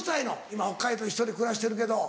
今北海道で１人暮らしてるけど。